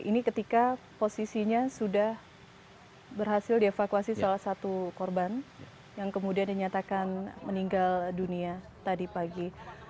ini ketika posisinya sudah berhasil dievakuasi salah satu korban yang kemudian dinyatakan meninggal dunia tadi pagi